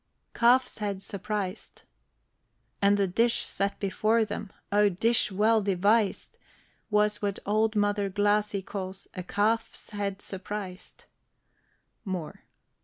CALF'S HEAD SURPRISED. And the dish set before them, O dish well devised! Was what Old Mother Glasse calls "a calf's head surprised." MOORE.